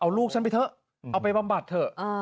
เอาลูกฉันไปเถอะเอาไปบำบัดเถอะ